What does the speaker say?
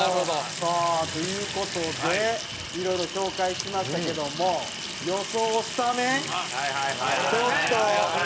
さあという事でいろいろ紹介しましたけども予想スタメンちょっと皆さん。